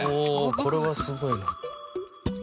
これはすごいな。